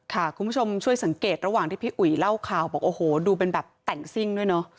คุณผู้ชมช่วยสังเกตระหว่างที่พี่อุ๋ยเล่าข่าวบอกโอ้โหดูเป็นแบบแต่งซิ่งด้วยเนอะ